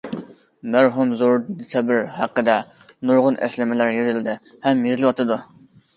مەرھۇم زوردۇن سابىر ھەققىدە نۇرغۇن ئەسلىمىلەر يېزىلدى ھەم يېزىلىۋاتىدۇ.